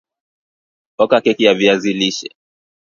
oka keki ya viazi lishe